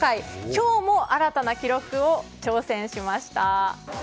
今日も新たな記録に挑戦しました。